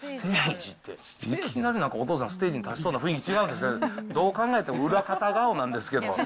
いきなりなんか、お父さん、ステージに立ちそうな雰囲気違うんです、どう考えても裏方顔なんですけど。